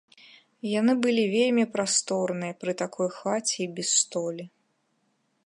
Яны былі вельмі прасторныя пры такой хаце і без столі.